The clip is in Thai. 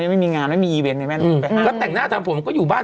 ไม่มีงามไม่มีอีเวนไงก็แต่งหน้าถามผมก็อยู่บ้าน